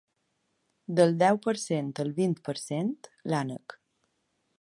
Del deu per cent al vint per cent, l’ànec.